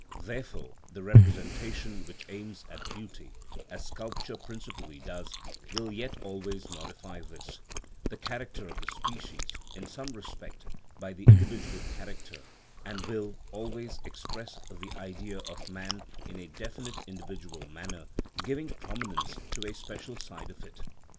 Therefore the representation which aims at beauty, as sculpture principally does, will yet always modify this (the character of the species), in some respect, by the individual character, and will always express the Idea of man in a definite individual manner, giving prominence to a special side of it.